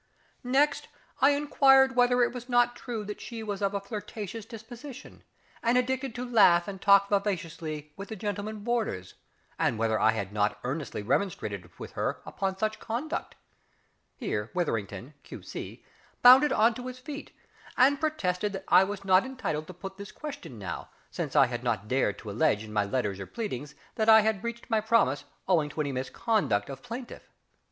Next I inquired whether it was not true that she was of a flirtatious disposition, and addicted to laugh and talk vivaciously with the gentlemen boarders, and whether I had not earnestly remonstrated with her upon such conduct. Here WITHERINGTON, Q.C., bounded on to his feet, and protested that I was not entitled to put this question now, since I had not dared to allege in my letters or pleadings that I had breached my promise owing to any misconduct of plaintiff.